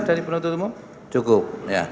dari penonton penonton cukup